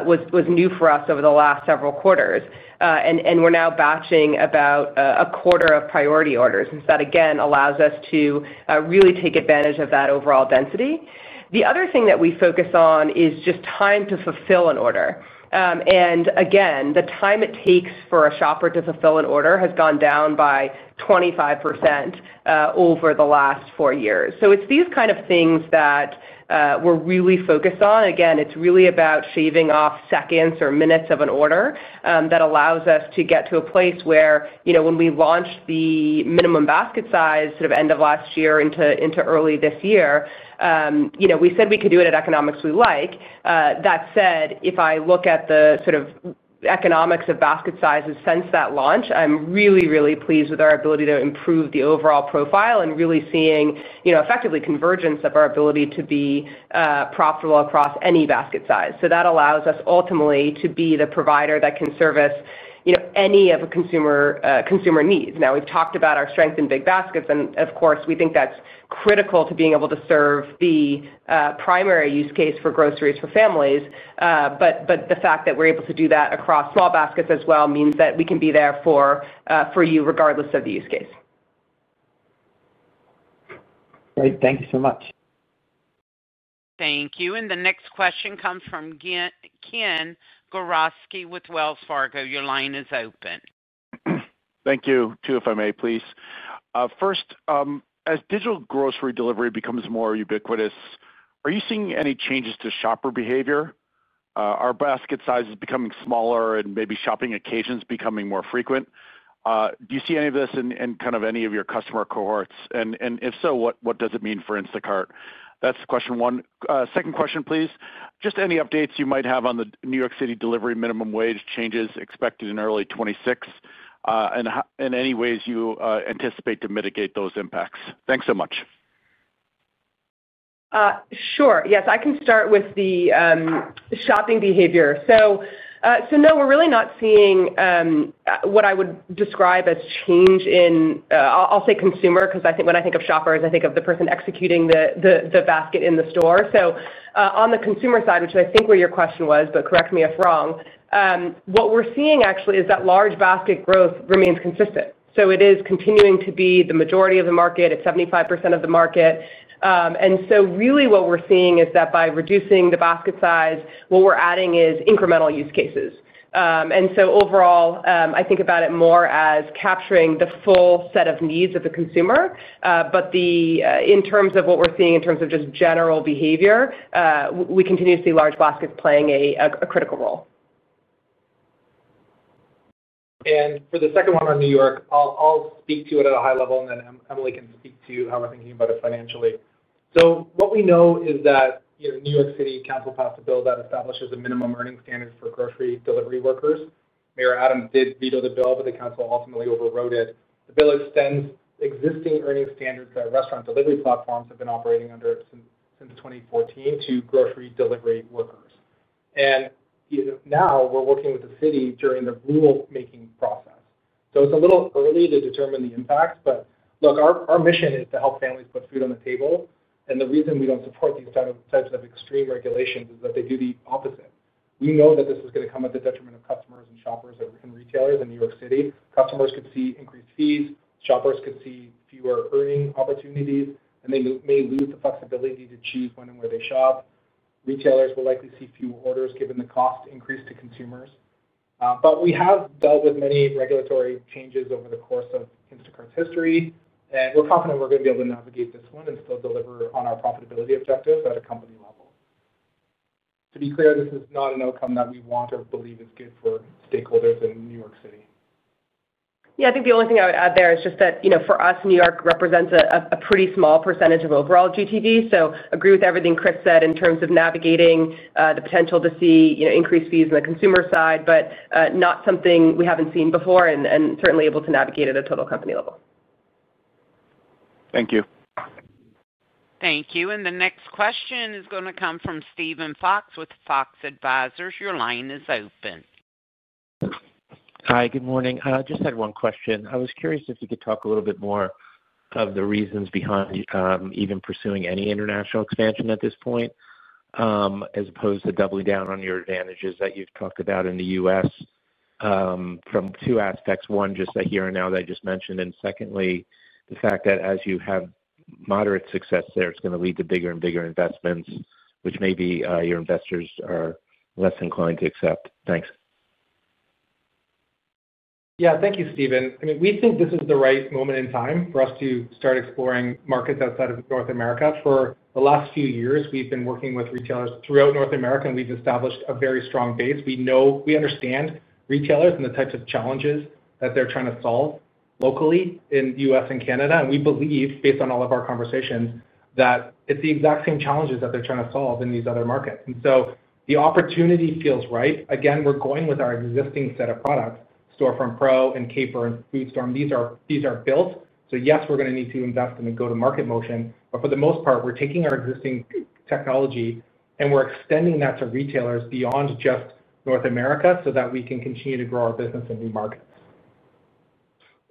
was new for us over the last several quarters. We are now batching about a quarter of priority orders. That, again, allows us to really take advantage of that overall density. The other thing that we focus on is just time to fulfill an order. Again, the time it takes for a shopper to fulfill an order has gone down by 25% over the last four years. It is these kind of things that we are really focused on. It is really about shaving off seconds or minutes of an order that allows us to get to a place where when we launched the minimum basket size sort of end of last year into early this year, we said we could do it at economics we like. That said, if I look at the sort of economics of basket sizes since that launch, I am really, really pleased with our ability to improve the overall profile and really seeing effectively convergence of our ability to be profitable across any basket size. That allows us ultimately to be the provider that can service any of a consumer needs. Now, we've talked about our strength in big baskets. Of course, we think that's critical to being able to serve the primary use case for groceries for families. The fact that we're able to do that across small baskets as well means that we can be there for you regardless of the use case. Great. Thank you so much. Thank you. The next question comes from Ken Gawrelski with Wells Fargo. Your line is open. Thank you too, if I may, please. First, as digital grocery delivery becomes more ubiquitous, are you seeing any changes to shopper behavior? Are basket sizes becoming smaller and maybe shopping occasions becoming more frequent? Do you see any of this in kind of any of your customer cohorts? If so, what does it mean for Instacart? That's question one. Second question, please. Just any updates you might have on the New York City delivery minimum wage changes expected in early 2026 and any ways you anticipate to mitigate those impacts. Thanks so much. Sure. Yes, I can start with the shopping behavior. No, we're really not seeing what I would describe as change in, I'll say consumer, because when I think of shoppers, I think of the person executing the basket in the store. On the consumer side, which I think is where your question was, but correct me if wrong, what we're seeing actually is that large basket growth remains consistent. It is continuing to be the majority of the market. It's 75% of the market. What we're seeing is that by reducing the basket size, what we're adding is incremental use cases. Overall, I think about it more as capturing the full set of needs of the consumer. In terms of what we are seeing in terms of just general behavior, we continue to see large baskets playing a critical role. For the second one on New York, I will speak to it at a high level, and then Emily can speak to how we are thinking about it financially. What we know is that New York City Council passed a bill that establishes a minimum earning standard for grocery delivery workers. Mayor Adams did veto the bill, but the Council ultimately overrode it. The bill extends existing earning standards that restaurant delivery platforms have been operating under since 2014 to grocery delivery workers. Now we are working with the city during the rulemaking process. It's a little early to determine the impacts, but look, our mission is to help families put food on the table. The reason we don't support these types of extreme regulations is that they do the opposite. We know that this is going to come at the detriment of customers and shoppers and retailers in New York City. Customers could see increased fees. Shoppers could see fewer earning opportunities, and they may lose the flexibility to choose when and where they shop. Retailers will likely see fewer orders given the cost increase to consumers. We have dealt with many regulatory changes over the course of Instacart's history. We're confident we're going to be able to navigate this one and still deliver on our profitability objectives at a company level. To be clear, this is not an outcome that we want or believe is good for stakeholders in New York City. I think the only thing I would add there is just that for us, New York represents a pretty small percentage of overall GTV. Agree with everything Chris said in terms of navigating the potential to see increased fees on the consumer side, but not something we haven't seen before and certainly able to navigate at a total company level. Thank you. Thank you. The next question is going to come from Steven Fox with Fox Advisors. Your line is open. Hi, good morning. I just had one question. I was curious if you could talk a little bit more of the reasons behind even pursuing any international expansion at this point as opposed to doubling down on your advantages that you've talked about in the U.S. from two aspects. One, just the here and now that I just mentioned. Secondly, the fact that as you have moderate success there, it's going to lead to bigger and bigger investments, which maybe your investors are less inclined to accept. Thanks. Yeah, thank you, Steven. I mean, we think this is the right moment in time for us to start exploring markets outside of North America. For the last few years, we've been working with retailers throughout North America, and we've established a very strong base. We know we understand retailers and the types of challenges that they're trying to solve locally in the U.S. and Canada. We believe, based on all of our conversations, that it's the exact same challenges that they're trying to solve in these other markets. The opportunity feels right. Again, we're going with our existing set of products, Storefront Pro and Caper Carts and FoodStorm. These are built. Yes, we're going to need to invest in a go-to-market motion. For the most part, we're taking our existing technology and we're extending that to retailers beyond just North America so that we can continue to grow our business in new markets.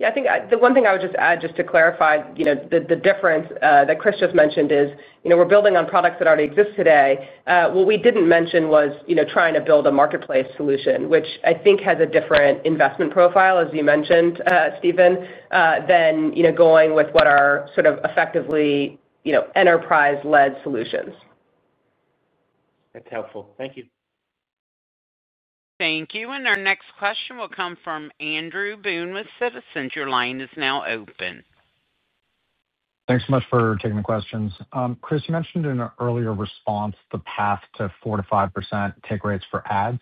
I think the one thing I would just add just to clarify the difference that Chris just mentioned is we're building on products that already exist today. What we did not mention was trying to build a marketplace solution, which I think has a different investment profile, as you mentioned, Steven, than going with what are sort of effectively enterprise-led solutions. That is helpful. Thank you. Thank you. Our next question will come from Andrew Boone with Citizens. Your line is now open. Thanks so much for taking the questions. Chris, you mentioned in an earlier response the path to 4%-5% take rates for ads.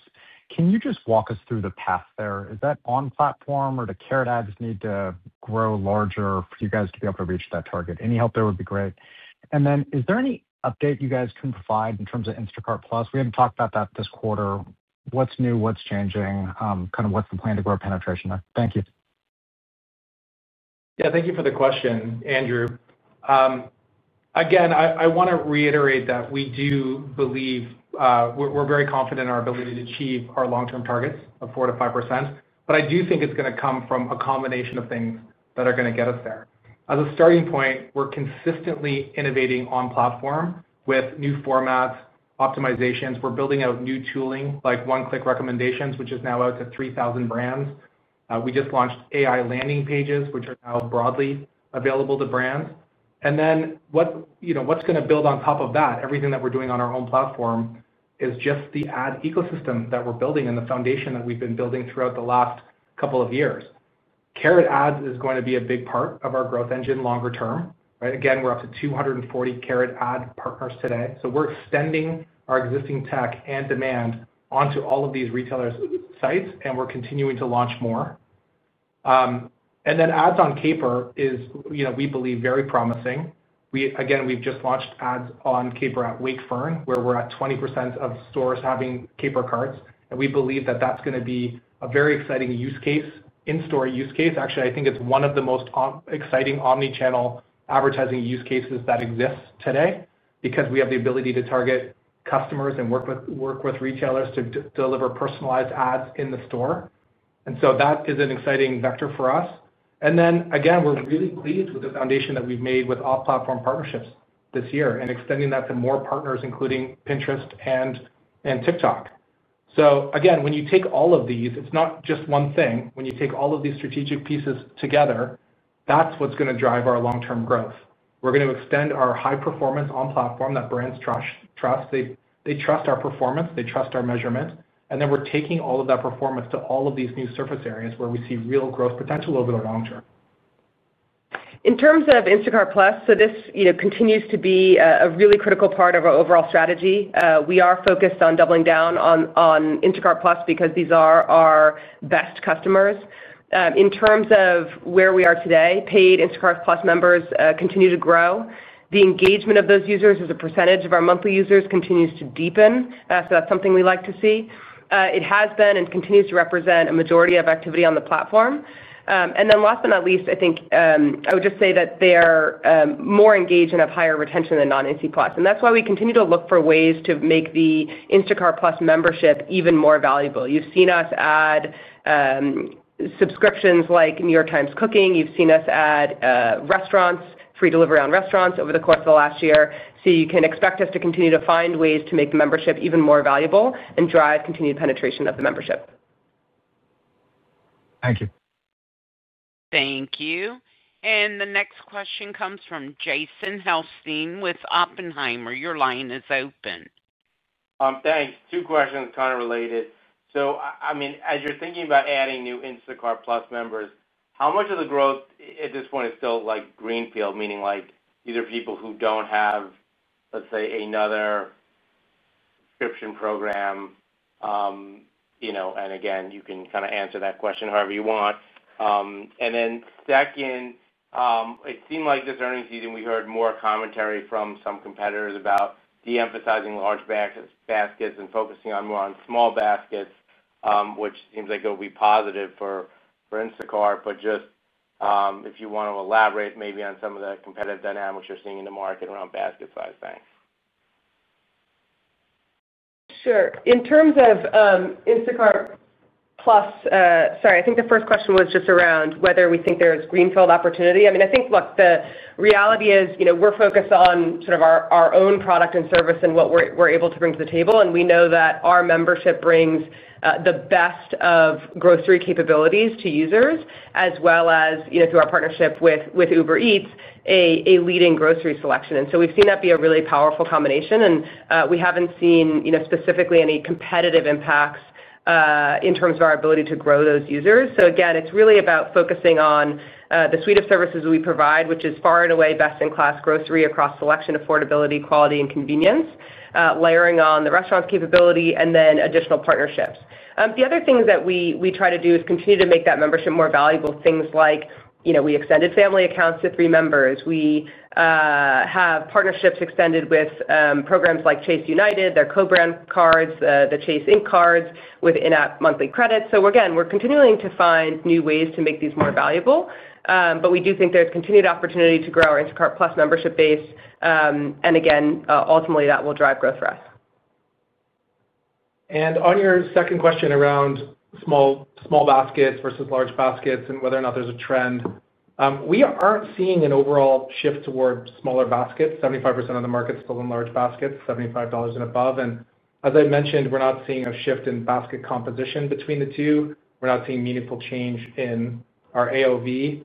Can you just walk us through the path there? Is that on-platform or do Carrot Ads need to grow larger for you guys to be able to reach that target? Any help there would be great. Is there any update you guys can provide in terms of Instacart+? We have not talked about that this quarter. What is new? What is changing? Kind of what's the plan to grow penetration there? Thank you. Yeah, thank you for the question, Andrew. Again, I want to reiterate that we do believe we're very confident in our ability to achieve our long-term targets of 4%-5%. I do think it's going to come from a combination of things that are going to get us there. As a starting point, we're consistently innovating on-platform with new formats, optimizations. We're building out new tooling like one-click recommendations, which is now out to 3,000 brands. We just launched AI landing pages, which are now broadly available to brands. What is going to build on top of that, everything that we're doing on our own platform, is just the ad ecosystem that we're building and the foundation that we've been building throughout the last couple of years. Carrot Ads is going to be a big part of our growth engine longer term. Again, we're up to 240 Carrot Ads partners today. We're extending our existing tech and demand onto all of these retailers' sites, and we're continuing to launch more. Ads on Caper is, we believe, very promising. Again, we've just launched ads on Caper at Wakefern, where we're at 20% of stores having Caper Carts. We believe that that's going to be a very exciting use case, in-store use case. Actually, I think it's one of the most exciting omnichannel advertising use cases that exists today because we have the ability to target customers and work with retailers to deliver personalized ads in the store. That is an exciting vector for us. We're really pleased with the foundation that we've made with off-platform partnerships this year and extending that to more partners, including Pinterest and TikTok. Again, when you take all of these, it's not just one thing. When you take all of these strategic pieces together, that's what's going to drive our long-term growth. We're going to extend our high performance on-platform that brands trust. They trust our performance. They trust our measurement. We're taking all of that performance to all of these new surface areas where we see real growth potential over the long term. In terms of Instacart+, this continues to be a really critical part of our overall strategy. We are focused on doubling down on Instacart+ because these are our best customers. In terms of where we are today, paid Instacart+ members continue to grow. The engagement of those users as a percentage of our monthly users continues to deepen. That is something we like to see. It has been and continues to represent a majority of activity on the platform. Last but not least, I think I would just say that they are more engaged and have higher retention than non-Instacart+. That is why we continue to look for ways to make the Instacart+ membership even more valuable. You have seen us add subscriptions like New York Times Cooking. You have seen us add restaurants, free delivery on restaurants over the course of the last year. You can expect us to continue to find ways to make the membership even more valuable and drive continued penetration of the membership. Thank you. Thank you. The next question comes from Jason Helfstein with Oppenheimer. Your line is open. Thanks. Two questions kind of related. I mean, as you're thinking about adding new Instacart+ members, how much of the growth at this point is still greenfield, meaning these are people who don't have, let's say, another subscription program? You can kind of answer that question however you want. Then second, it seemed like this earnings season, we heard more commentary from some competitors about de-emphasizing large baskets and focusing more on small baskets, which seems like it will be positive for Instacart. If you want to elaborate maybe on some of the competitive dynamics you're seeing in the market around basket size, thanks. Sure. In terms of Instacart+, sorry, I think the first question was just around whether we think there is greenfield opportunity. I mean, I think, look, the reality is we're focused on sort of our own product and service and what we're able to bring to the table. We know that our membership brings the best of grocery capabilities to users, as well as through our partnership with Uber Eats, a leading grocery selection. We have seen that be a really powerful combination. We have not seen specifically any competitive impacts in terms of our ability to grow those users. Again, it's really about focusing on the suite of services we provide, which is far and away best-in-class grocery across selection, affordability, quality, and convenience, layering on the restaurant's capability, and then additional partnerships. The other things that we try to do is continue to make that membership more valuable, things like we extended family accounts to three members. We have partnerships extended with programs like Chase United, their co-brand cards, the Chase Ink cards with in-app monthly credits. We are continuing to find new ways to make these more valuable. We do think there is continued opportunity to grow our Instacart+ membership base. Ultimately, that will drive growth for us. On your second question around small baskets versus large baskets and whether or not there is a trend, we are not seeing an overall shift toward smaller baskets. 75% of the market is still in large baskets, $75 and above. As I mentioned, we are not seeing a shift in basket composition between the two. We are not seeing meaningful change in our AOV.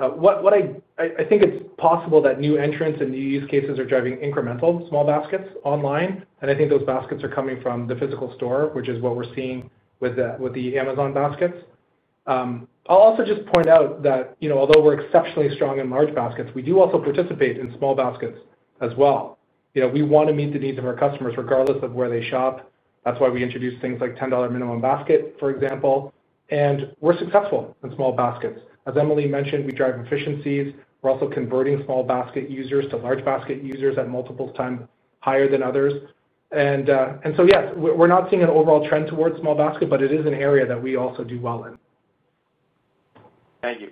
I think it is possible that new entrants and new use cases are driving incremental small baskets online. I think those baskets are coming from the physical store, which is what we're seeing with the Amazon baskets. I'll also just point out that although we're exceptionally strong in large baskets, we do also participate in small baskets as well. We want to meet the needs of our customers regardless of where they shop. That's why we introduced things like $10 minimum basket, for example. We're successful in small baskets. As Emily mentioned, we drive efficiencies. We're also converting small basket users to large basket users at multiples times higher than others. Yes, we're not seeing an overall trend towards small basket, but it is an area that we also do well in. Thank you.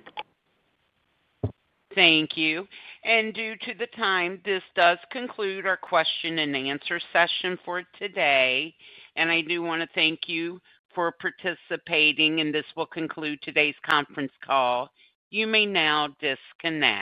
Thank you. Due to the time, this does conclude our question-and-answer session for today. I do want to thank you for participating, and this will conclude today's conference call. You may now disconnect.